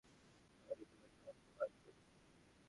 মারি তোমাকে অপমান করেছে।